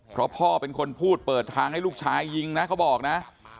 เพราะพ่อเป็นคนพูดเปิดทางให้ลูกชายยิงนะเขาบอกนะ